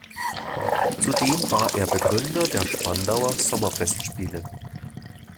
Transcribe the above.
Zudem war er Begründer der "Spandauer Sommerfestspiele".